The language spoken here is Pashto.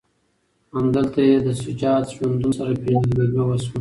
همدلته یې له سجاد ژوندون سره پېژندګلوي وشوه.